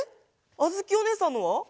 あづきおねえさんのは？